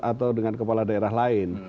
atau dengan kepala daerah lain